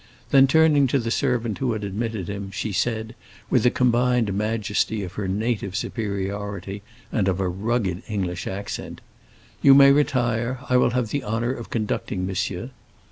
Then turning to the servant who had admitted him, she said, with the combined majesty of her native superiority and of a rugged English accent, "You may retire; I will have the honor of conducting monsieur."